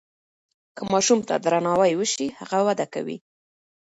که ماشوم ته درناوی وسي هغه وده کوي.